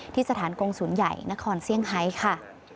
ที่สถานกงศูนย์ใหญ่นครเซี่ยงไฮค่ะ